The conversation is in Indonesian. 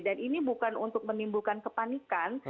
ini bukan untuk menimbulkan kepanikan